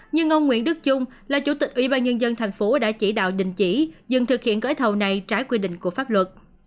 nhưng ông nguyễn đức trung là chủ tịch ủy ban nhân dân thành phố đã chỉ đạo đình chỉ dừng thực hiện gói thầu này trái quy định của pháp luật